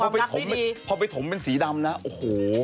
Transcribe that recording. พอไปถมเป็นสีดำนะโอ้โห